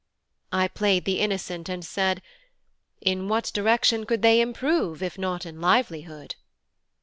I played the innocent and said: "In what direction could they improve, if not in livelihood?"